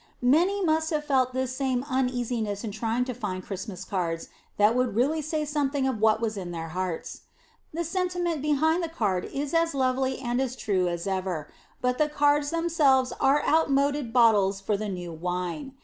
Many must have felt this same uneasiness in trying to find Christmas cards that would really say something of what is in their hearts. The sentiment behind the card is as lovely and as true as ever, but the cards themselves are outmoded bottles for the new wine.